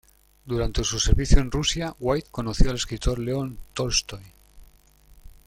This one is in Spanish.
Durante su servicio en Rusia, White conoció al escritor León Tolstói.